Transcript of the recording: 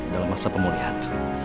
dalam masa pemulihan